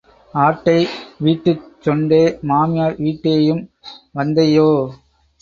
ஆட்டை வீட்டுச் சொண்டே, மாமியார் வீட்டேயும் வந்தையோ?